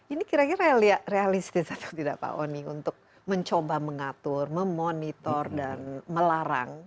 ini kira kira realistis atau tidak pak oni untuk mencoba mengatur memonitor dan melarang